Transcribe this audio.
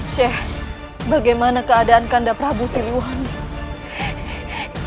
syeikh bagaimana keadaan kandaprabu siluani